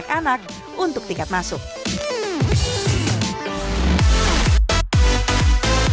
dan dua belas ribu won atau empat belas ribu rupiah bagi dewasa